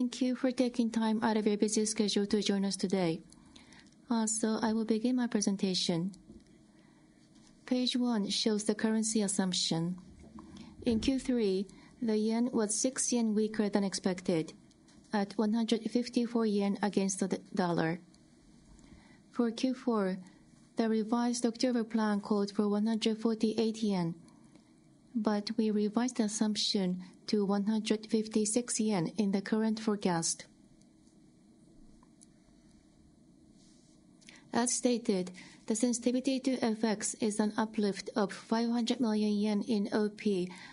Thank you for taking time out of your busy schedule to join us today. Also, I will begin my presentation. Page 1 shows the currency assumption. In Q3, the yen was 6 yen weaker than expected, at 154 yen against the dollar. For Q4, the revised October plan called for 148 yen, but we revised the assumption to 156 yen in the current forecast. As stated, the sensitivity to FX is an uplift of 500 million yen in OP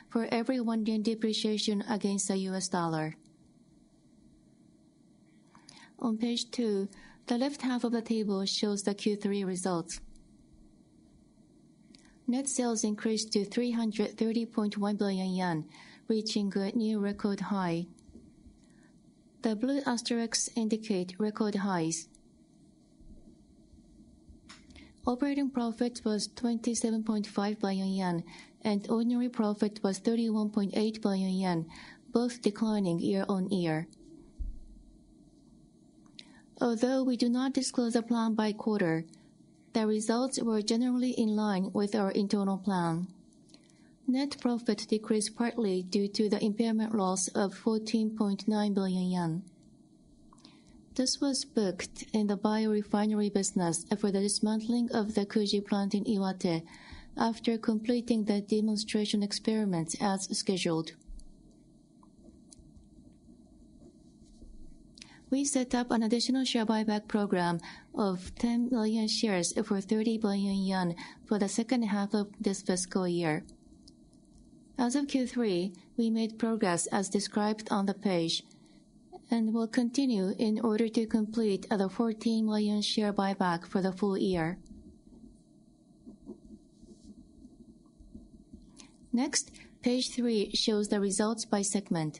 for every 1 yen depreciation against the US dollar. On page 2, the left half of the table shows the Q3 results. Net sales increased to 330.1 billion yen, reaching a new record high. The blue asterisks indicate record highs. Operating profit was 27.5 billion yen, and ordinary profit was 31.8 billion yen, both declining year-on-year. Although we do not disclose a plan by quarter, the results were generally in line with our internal plan. Net profit decreased partly due to the impairment loss of 14.9 billion yen. This was booked in the biorefinery business for the dismantling of the Kuji plant in Iwate after completing the demonstration experiment as scheduled. We set up an additional share buyback program of 10 million shares for 30 billion yen for the second half of this fiscal year. As of Q3, we made progress as described on the page, and we'll continue in order to complete the 14 million share buyback for the full year. Next, page 3 shows the results by segment.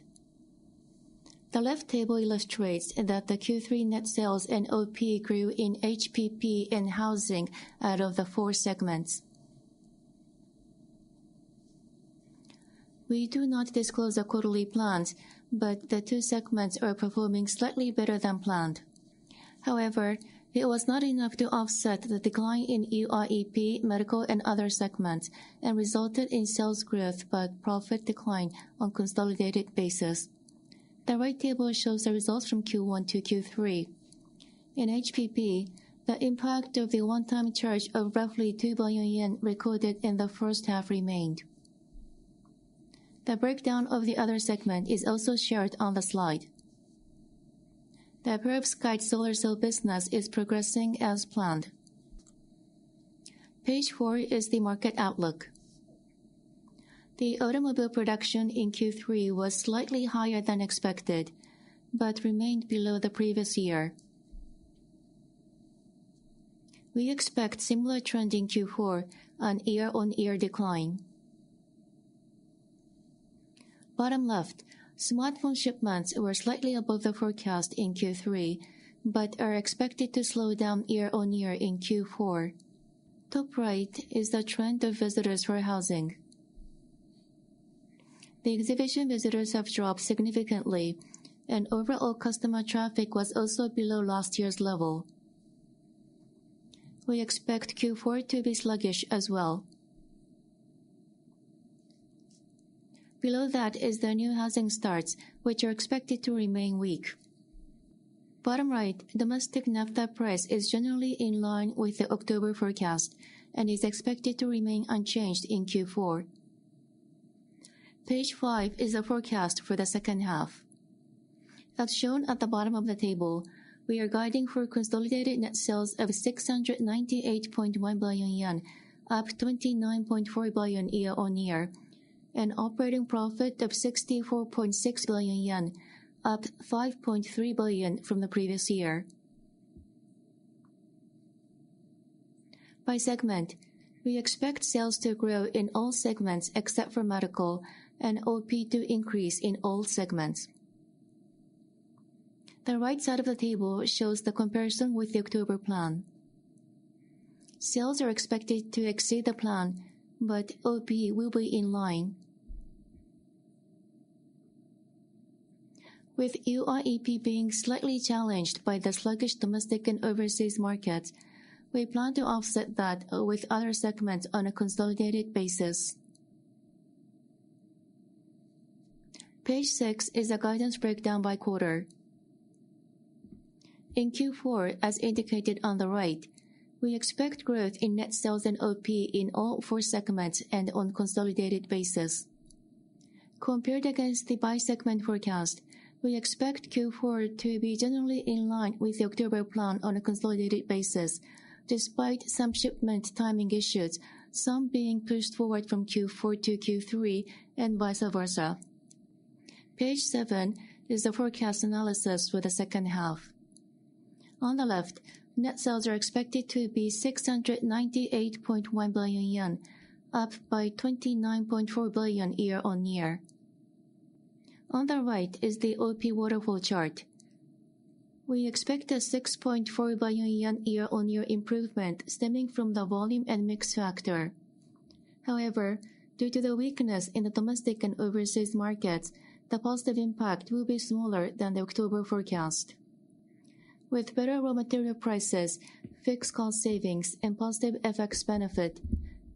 The left table illustrates that the Q3 net sales and OP grew in HPP and housing out of the four segments. We do not disclose the quarterly plans, but the two segments are performing slightly better than planned. However, it was not enough to offset the decline in UIEP, medical, and other segments, and resulted in sales growth but profit decline on a consolidated basis. The right table shows the results from Q1 to Q3. In HPP, the impact of the one-time charge of roughly 2 billion yen recorded in the first half remained. The breakdown of the other segment is also shared on the slide. The Perovskite solar cell business is progressing as planned. Page 4 is the market outlook. The automobile production in Q3 was slightly higher than expected but remained below the previous year. We expect a similar trend in Q4, a year-on-year decline. Bottom left, smartphone shipments were slightly above the forecast in Q3 but are expected to slow down year-on-year in Q4. Top right is the trend of visitors for housing. The exhibition visitors have dropped significantly, and overall customer traffic was also below last year's level. We expect Q4 to be sluggish as well. Below that is the new housing starts, which are expected to remain weak. Bottom right, domestic naphtha price is generally in line with the October forecast and is expected to remain unchanged in Q4. Page 5 is the forecast for the second half. As shown at the bottom of the table, we are guiding for consolidated net sales of 698.1 billion yen, up 29.4 billion year-on-year, and operating profit of 64.6 billion yen, up 5.3 billion from the previous year. By segment, we expect sales to grow in all segments except for medical, and OP to increase in all segments. The right side of the table shows the comparison with the October plan. Sales are expected to exceed the plan, but OP will be in line. With UIEP being slightly challenged by the sluggish domestic and overseas markets, we plan to offset that with other segments on a consolidated basis. Page 6 is a guidance breakdown by quarter. In Q4, as indicated on the right, we expect growth in net sales and OP in all four segments and on a consolidated basis. Compared against the by-segment forecast, we expect Q4 to be generally in line with the October plan on a consolidated basis, despite some shipment timing issues, some being pushed forward from Q4 to Q3 and vice versa. Page 7 is the forecast analysis for the second half. On the left, net sales are expected to be 698.1 billion yen, up by 29.4 billion year-on-year. On the right is the OP waterfall chart. We expect a 6.4 billion yen year-on-year improvement stemming from the volume and mix factor. However, due to the weakness in the domestic and overseas markets, the positive impact will be smaller than the October forecast. With better raw material prices, fixed cost savings, and positive FX benefit,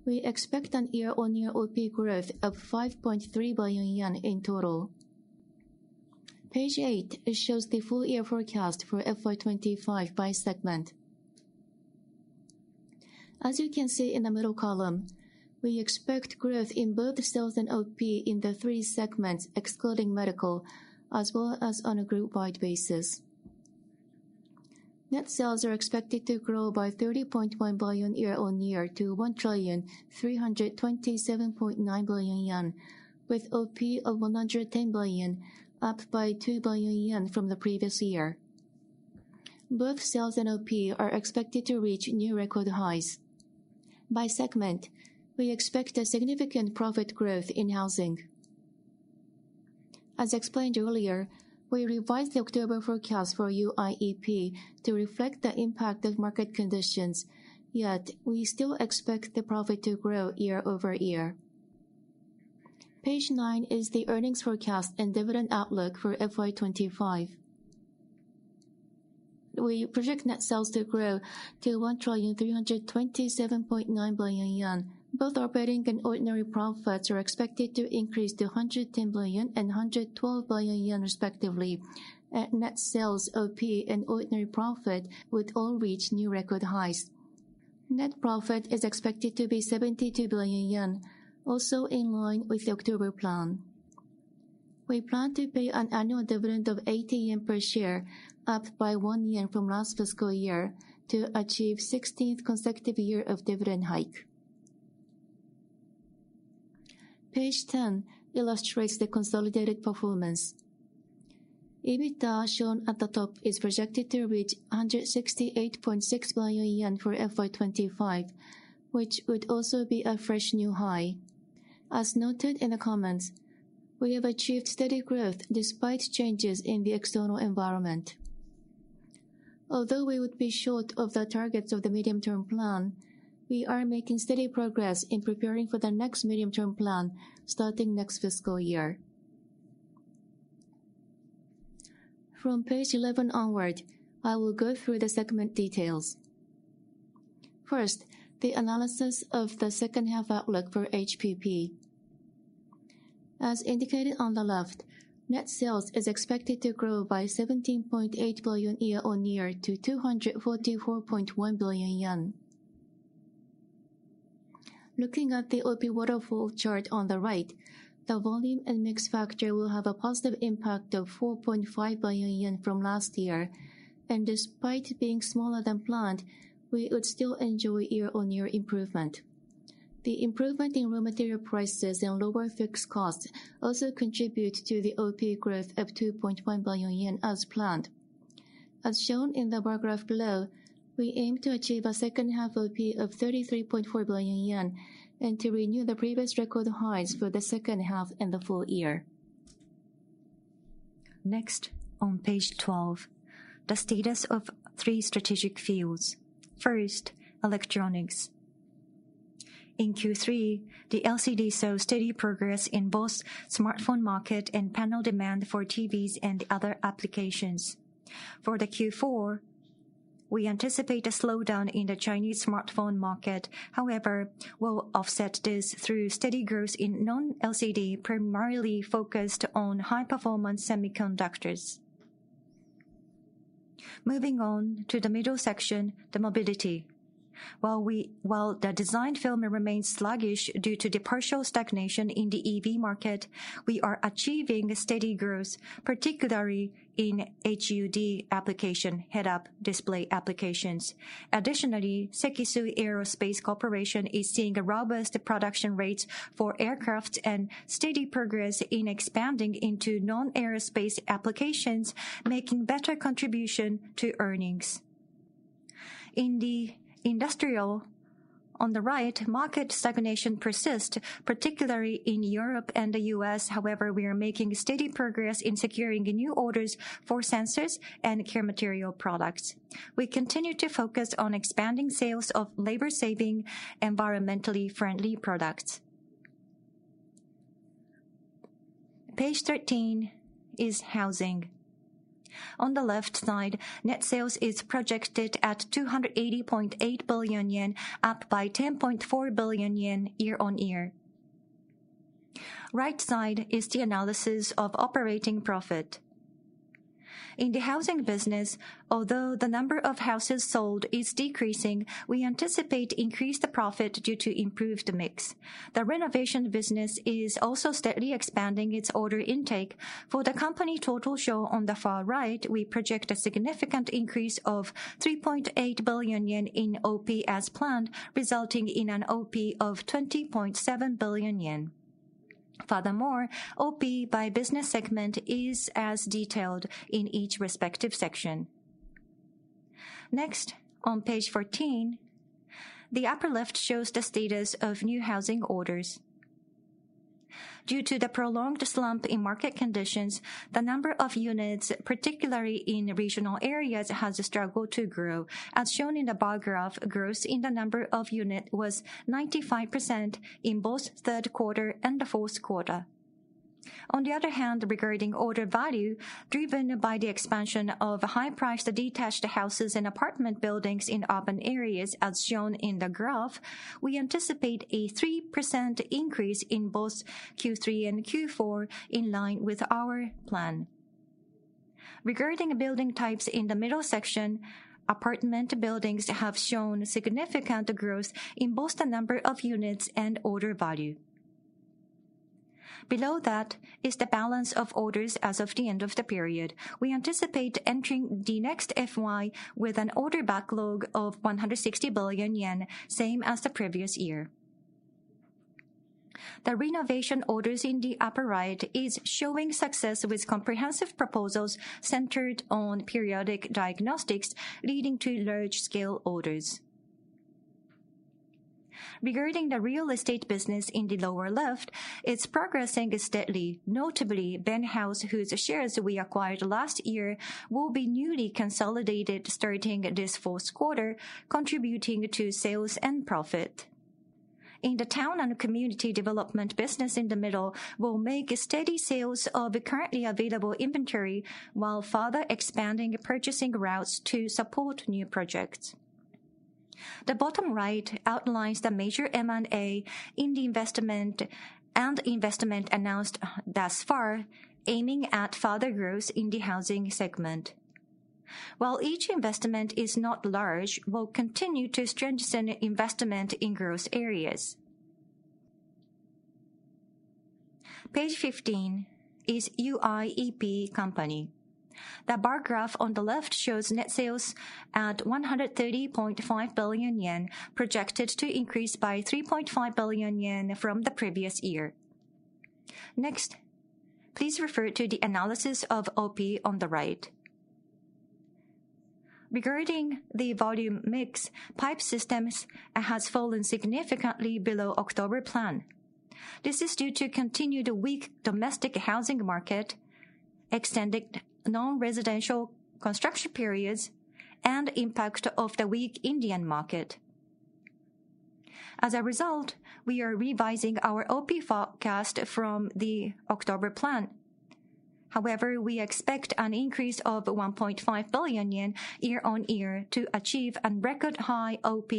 we expect a year-on-year OP growth of 5.3 billion yen in total. Page 8 shows the full year forecast for FY 2025 by segment. As you can see in the middle column, we expect growth in both sales and OP in the three segments excluding medical, as well as on a group-wide basis. Net sales are expected to grow by 30.1 billion year-on-year to 1,327.9 billion yen, with OP of 110 billion, up by 2 billion yen from the previous year. Both sales and OP are expected to reach new record highs. By segment, we expect a significant profit growth in housing. As explained earlier, we revised the October forecast for UIEP to reflect the impact of market conditions, yet we still expect the profit to grow year-over-year. Page 9 is the earnings forecast and dividend outlook for FY 2025. We project net sales to grow to 1,327.9 billion yen. Both operating and ordinary profits are expected to increase to 110 billion and 112 billion yen, respectively, and net sales, OP, and ordinary profit would all reach new record highs. Net profit is expected to be 72 billion yen, also in line with the October plan. We plan to pay an annual dividend of 80 yen per share, up by 1 yen from last fiscal year, to achieve the 16th consecutive year of dividend hike. Page 10 illustrates the consolidated performance. EBITDA shown at the top is projected to reach 168.6 billion yen for FY 2025, which would also be a fresh new high. As noted in the comments, we have achieved steady growth despite changes in the external environment. Although we would be short of the targets of the medium-term plan, we are making steady progress in preparing for the next medium-term plan starting next fiscal year. From page 11 onward, I will go through the segment details. First, the analysis of the second half outlook for HPP. As indicated on the left, net sales is expected to grow by 17.8 billion year-on-year to 244.1 billion yen. Looking at the OP waterfall chart on the right, the volume and mix factor will have a positive impact of 4.5 billion yen from last year, and despite being smaller than planned, we would still enjoy year-on-year improvement. The improvement in raw material prices and lower fixed costs also contribute to the OP growth of 2.1 billion yen as planned. As shown in the bar graph below, we aim to achieve a second half OP of 33.4 billion yen and to renew the previous record highs for the second half and the full year. Next, on page 12, the status of three strategic fields. First, electronics. In Q3, the LCDs saw steady progress in both smartphone market and panel demand for TVs and other applications. For Q4, we anticipate a slowdown in the Chinese smartphone market, however, we'll offset this through steady growth in non-LCD, primarily focused on high-performance semiconductors. Moving on to the middle section, the mobility. While the design film remains sluggish due to the partial stagnation in the EV market, we are achieving steady growth, particularly in HUD application, head-up display applications. Additionally, Sekisui Aerospace Corporation is seeing robust production rates for aircraft and steady progress in expanding into non-aerospace applications, making better contribution to earnings. In the industrial, on the right, market stagnation persists, particularly in Europe and the U.S. However, we are making steady progress in securing new orders for sensors and chemical products. We continue to focus on expanding sales of labor-saving, environmentally friendly products. Page 13 is housing. On the left side, net sales is projected at 280.8 billion yen, up by 10.4 billion yen year-on-year. Right side is the analysis of operating profit. In the housing business, although the number of houses sold is decreasing, we anticipate increased profit due to improved mix. The renovation business is also steadily expanding its order intake. For the company total shown on the far right, we project a significant increase of 3.8 billion yen in OP as planned, resulting in an OP of 20.7 billion yen. Furthermore, OP by business segment is as detailed in each respective section. Next, on page 14, the upper left shows the status of new housing orders. Due to the prolonged slump in market conditions, the number of units, particularly in regional areas, has struggled to grow. As shown in the bar graph, growth in the number of units was 95% in both third quarter and the fourth quarter. On the other hand, regarding order value, driven by the expansion of high-priced detached houses and apartment buildings in urban areas, as shown in the graph, we anticipate a 3% increase in both Q3 and Q4 in line with our plan. Regarding building types in the middle section, apartment buildings have shown significant growth in both the number of units and order value. Below that is the balance of orders as of the end of the period. We anticipate entering the next FY with an order backlog of 160 billion yen, same as the previous year. The renovation orders in the upper right are showing success with comprehensive proposals centered on periodic diagnostics, leading to large-scale orders. Regarding the real estate business in the lower left, it's progressing steadily. Notably, Ben House, whose shares we acquired last year, will be newly consolidated starting this fourth quarter, contributing to sales and profit. In the town and community development business in the middle, we'll make steady sales of currently available inventory while further expanding purchasing routes to support new projects. The bottom right outlines the major M&A in the investment and investment announced thus far, aiming at further growth in the housing segment. While each investment is not large, we'll continue to strengthen investment in growth areas. Page 15 is UIEP Company. The bar graph on the left shows net sales at 130.5 billion yen, projected to increase by 3.5 billion yen from the previous year. Next, please refer to the analysis of OP on the right. Regarding the volume mix, pipe systems have fallen significantly below October plan. This is due to continued weak domestic housing market, extended non-residential construction periods, and impact of the weak Indian market. As a result, we are revising our OP forecast from the October plan. However, we expect an increase of 1.5 billion yen year-on-year to achieve a record high OP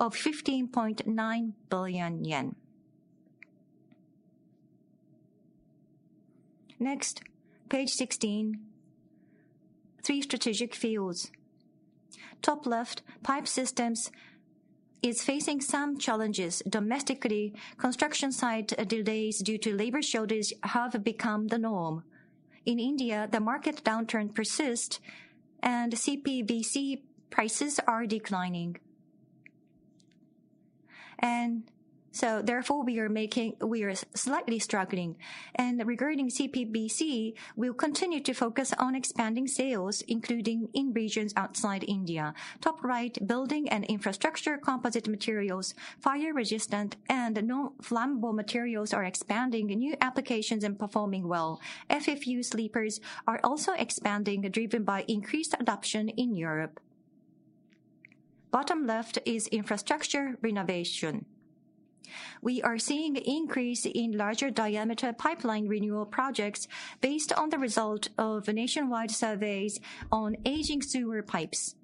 of 15.9 billion yen. Next, page 16, three strategic fields. Top left, pipe systems are facing some challenges. Domestically, construction site delays due to labor shortage have become the norm. In India, the market downturn persists and CPVC prices are declining. So, therefore, we are slightly struggling. Regarding CPVC, we'll continue to focus on expanding sales, including in regions outside India. Top right, building and infrastructure composite materials, fire-resistant and non-flammable materials are expanding new applications and performing well. FFU sleepers are also expanding, driven by increased adoption in Europe. Bottom left is infrastructure renovation. We are seeing an increase in larger diameter pipeline renewal projects based on the result of nationwide surveys on aging sewer pipes.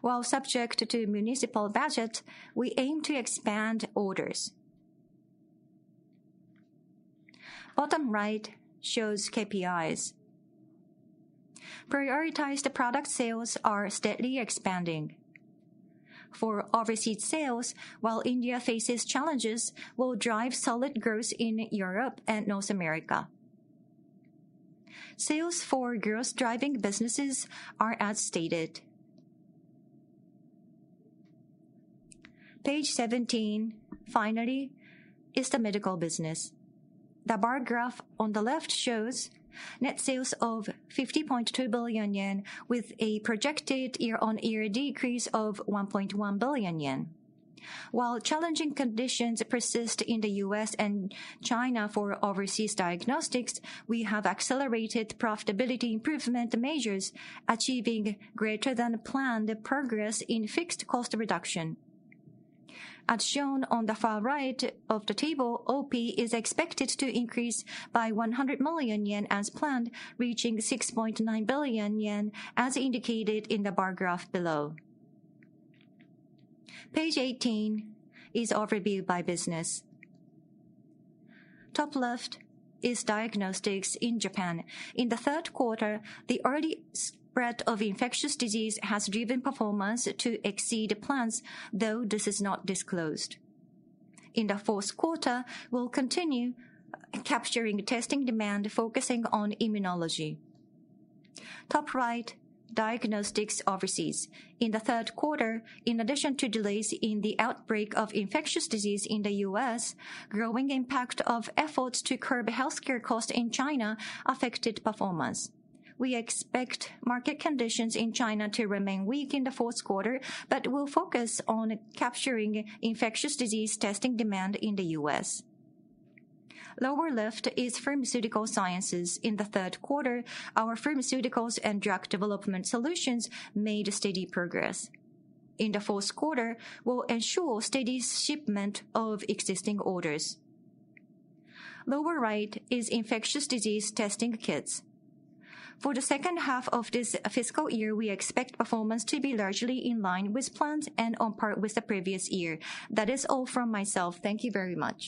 While subject to municipal budget, we aim to expand orders. Bottom right shows KPIs. Prioritized product sales are steadily expanding. For overseas sales, while India faces challenges, we'll drive solid growth in Europe and North America. Sales for growth-driving businesses are as stated. Page 17, finally, is the medical business. The bar graph on the left shows net sales of 50.2 billion yen, with a projected year-on-year decrease of 1.1 billion yen. While challenging conditions persist in the U.S. and China for overseas diagnostics, we have accelerated profitability improvement measures, achieving greater than planned progress in fixed cost reduction. As shown on the far right of the table, OP is expected to increase by 100 million yen as planned, reaching 6.9 billion yen, as indicated in the bar graph below. Page 18 is overview by business. Top left is diagnostics in Japan. In the third quarter, the early spread of infectious disease has driven performance to exceed plans, though this is not disclosed. In the fourth quarter, we'll continue capturing testing demand, focusing on immunology. Top right, diagnostics overseas. In the third quarter, in addition to delays in the outbreak of infectious disease in the U.S., the growing impact of efforts to curb healthcare costs in China affected performance. We expect market conditions in China to remain weak in the fourth quarter, but we'll focus on capturing infectious disease testing demand in the U.S. Lower left is pharmaceutical sciences. In the third quarter, our pharmaceuticals and drug development solutions made steady progress. In the fourth quarter, we'll ensure steady shipment of existing orders. Lower right is infectious disease testing kits. For the second half of this fiscal year, we expect performance to be largely in line with plans and on par with the previous year. That is all from myself. Thank you very much.